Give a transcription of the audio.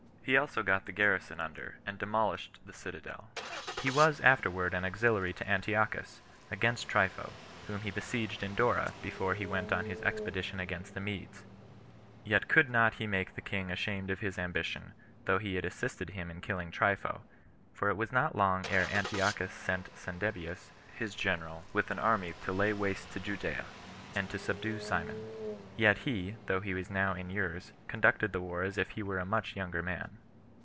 He also got the garrison under, and demolished the citadel. He was afterward an auxiliary to Antiochus, against Trypho, whom he besieged in Dora, before he went on his expedition against the Medes; yet could not he make the king ashamed of his ambition, though he had assisted him in killing Trypho; for it was not long ere Antiochus sent Cendebeus his general with an army to lay waste Judea, and to subdue Simon; yet he, though he was now in years, conducted the war as if he were a much younger man.